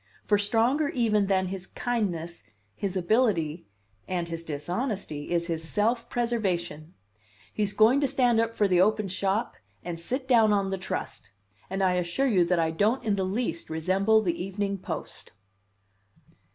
For stronger even than his kindness, his ability, and his dishonesty is his self preservation. He's going to stand up for the 'open shop' and sit down on the 'trust'; and I assure you that I don't in the least resemble the Evening Post."